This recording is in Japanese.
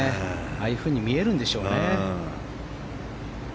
ああいうふうに見えるんでしょうね。